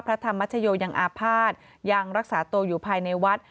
พระธรรมชโยยังอาภาษณ์ยังรักษาตัวอยู่ภายในวัด